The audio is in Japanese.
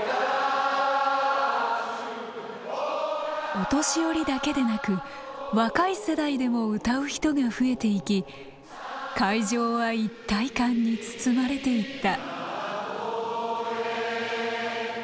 お年寄りだけでなく若い世代でも歌う人が増えていき会場は一体感に包まれていった。